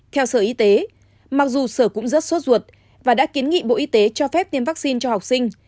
theo sở y tế mặc dù sở cũng rất sốt ruột và đã kiến nghị bộ y tế cho phép tiêm vaccine cho học sinh